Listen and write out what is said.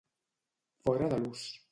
Fora de l'ús.